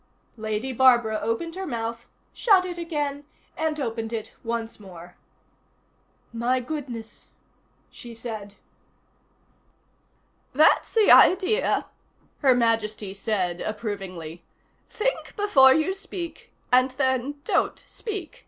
Lady Barbara opened her mouth, shut it again, and opened it once more. "My goodness," she said. "That's the idea," Her Majesty said approvingly. "Think before you speak and then don't speak.